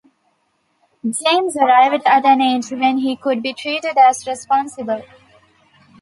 James arrived at an age when he could be treated as responsible.